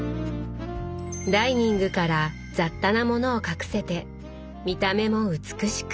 ダイニングから雑多なものを隠せて見た目も美しく。